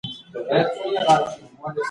په تور ليست کي دي.